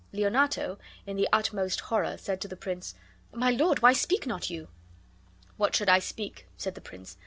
Leonato, in the utmost horror, said to the prince, "My lord, why speak not you?" "What should I speak?" said the prince.